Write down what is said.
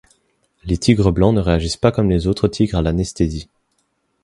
Les tigres blancs ne réagissent pas comme les autres tigres à l'anesthésie.